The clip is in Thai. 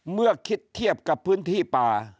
เมื่อคิดเทียบกับพื้นที่ป่า